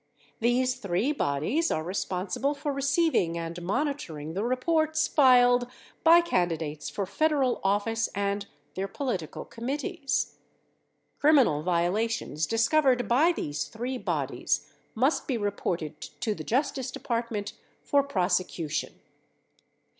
These three bodies are responsible for receiving and monitoring the reports filed by candidates for Federal Office and their political committees. Criminal violations discovered by these three bodies must be reported to the Justice Department for prosecu tion.